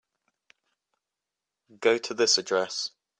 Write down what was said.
Go to this address.